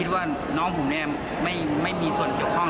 ว่าน้องผมไม่มีส่วนเกี่ยวข้อง